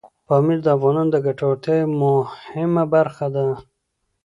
پامیر د افغانانو د ګټورتیا یوه مهمه برخه ده.